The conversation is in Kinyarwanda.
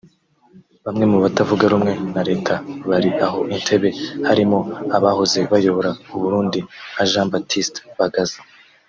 Bamwe mu batavuga rumwe na leta bari aho Entebbe harimo abahoze bayobora u Burundi nka Jean Baptiste Bagaza